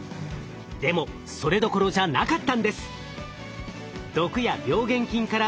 でもそれどころじゃなかったんです！